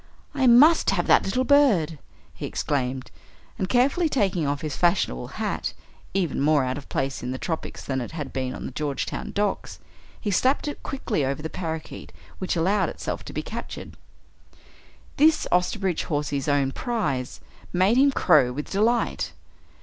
"I must have that little bird!" he exclaimed, and carefully taking off his fashionable hat even more out of place in the tropics than it had been on the Georgetown docks he slapped it quickly over the parakeet which allowed itself to be captured. This, Osterbridge Hawsey's own prize, made him crow with delight.